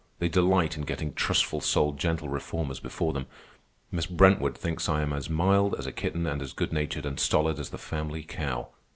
They delight in getting trustful souled gentle reformers before them. Miss Brentwood thinks I am as mild as a kitten and as good natured and stolid as the family cow.